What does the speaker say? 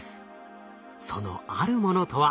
その「あるもの」とは？